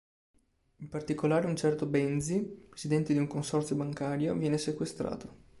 In particolare un certo Benzi, presidente di un Consorzio Bancario, viene sequestrato.